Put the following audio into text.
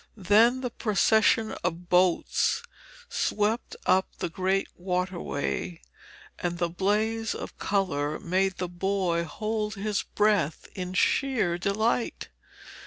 Then the procession of boats swept up the great waterway, and the blaze of colour made the boy hold his breath in sheer delight.